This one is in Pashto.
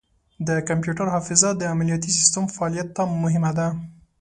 د کمپیوټر حافظه د عملیاتي سیسټم فعالیت ته مهمه ده.